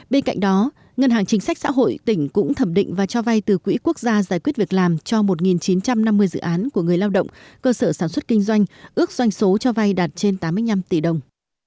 bên cạnh đó ngân hàng chính sách xã hội tỉnh cũng thẩm định và cho vay từ quỹ quốc gia giải quyết việc làm cho một chín trăm năm mươi dự án của người lao động cơ sở sản xuất kinh doanh ước doanh số cho vay đạt trên tám mươi năm tỷ đồng